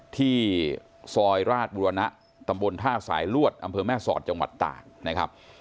ที่ซอยราชบุรณะตำบลท่าสายลวดอำเภอแม่สอดจังหวัดตากนะครับ